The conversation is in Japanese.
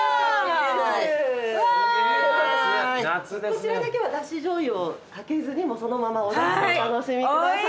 こちらだけはだしじょうゆを掛けずにそのままお楽しみください。